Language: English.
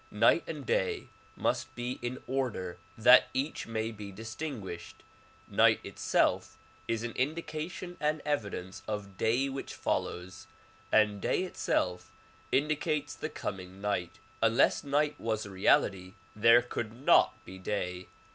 Night and day must be in order that each may be distinguished. Night itself is an indication and evidence of day which follows ; and day itself indicates the coming night. Unless night was a reality there could not be day.